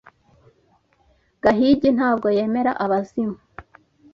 Gahigi ntabwo yemera abazimu.